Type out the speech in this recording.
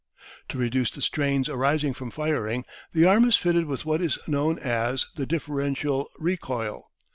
To reduce the strains arising from firing, the arm is fitted with what is known as the "differential recoil."